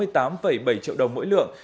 sáu sáu mươi tám bảy triệu đồng mỗi lượng